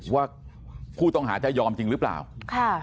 ว่าผู้ต้องหาจะยอมจริงหรือเปล่าค่ะ